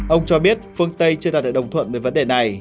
ông cho biết phương tây chưa đạt được đồng thuận về vấn đề này